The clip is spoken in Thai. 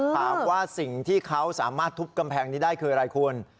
ถามว่าสิ่งที่เขาสามารถทุบกำแพงนี้ได้คืออะไรคุณ